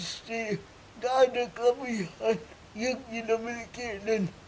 harus tetap berkembang dan berkembang